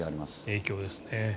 影響ですね。